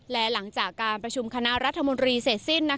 และหลังจากการประชุมคณะรัฐมนตรีเสร็จสิ้น